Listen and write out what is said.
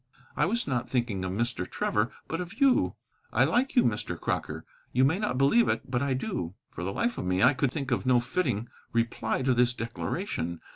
"I was not thinking of Mr. Trevor, but of you. I like you, Mr. Crocker. You may not believe it, but I do." For the life of me I could think of no fitting reply to this declaration.